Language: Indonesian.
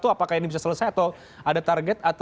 apakah ini bisa selesai atau ada target